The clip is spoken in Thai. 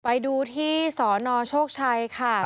ไปดูที่สนโชคชัยค่ะ